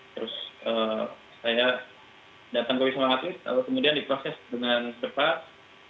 terus saya datang ke wisma atlet kemudian diproses dengan cepat